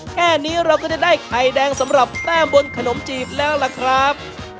แค่นี้เราก็จะได้ไข่แดงสำหรับแต้มบนขนมจีบแล้วล่ะครับ